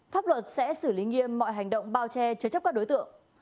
pháp luật sẽ xử lý nghiêm mọi hành động bao che chứa chấp các đối tượng